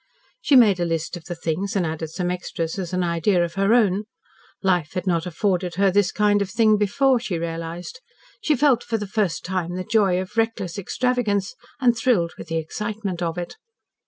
She made a list of the things, and added some extras as an idea of her own. Life had not afforded her this kind of thing before, she realised. She felt for the first time the joy of reckless extravagance, and thrilled with the excitement of it.